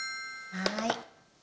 はい。